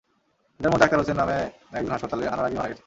এঁদের মধ্যে আকতার হোসেন নামে একজন হাসপাতালে আনার আগেই মারা গেছেন।